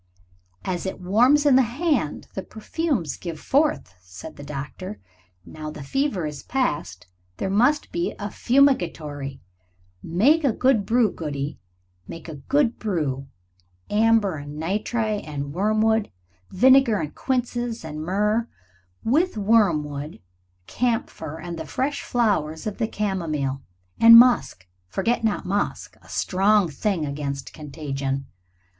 "As it warms in the hand the perfumes give forth," said the doctor. "Now the fever is past there must be a fumigatory. Make a good brew, Goody, make a good brew amber and nitre and wormwood vinegar and quinces and myrrh with wormwood, camphor, and the fresh flowers of the camomile. And musk forget not musk a strong thing against contagion.